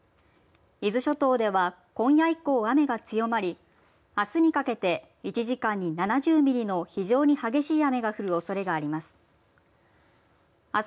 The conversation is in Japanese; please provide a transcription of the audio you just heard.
伊豆諸島では今夜以降雨が強まりあすにかけて１時間に７０ミリの非常に激しい雨が降るおそれがあります。